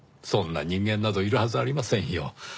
そんな人間などいるはずありませんよ。